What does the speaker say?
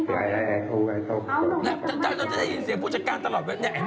เราจะได้ยินเสียงผู้จัดการตลอด